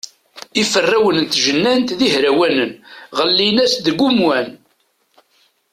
Iferrawen n tejnant d ihrawanen, ɣellin-as deg umwan.